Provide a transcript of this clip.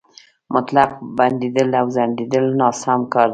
مطلق بندېدل او ځنډول ناسم کار دی.